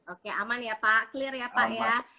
oke aman ya pak clear ya pak ya